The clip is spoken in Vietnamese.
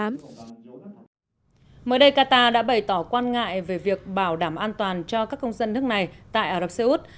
mới đây qatar đã bày tỏ quan ngại về việc bảo đảm an toàn cho các công dân nước này tại ả rập xê út